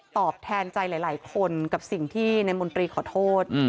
ตอบแทนใจหลายคนกับสิ่งที่นายมนตรีขอโทษ